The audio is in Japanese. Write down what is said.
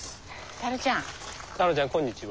タローちゃんこんにちは。